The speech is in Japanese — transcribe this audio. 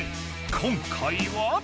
今回は。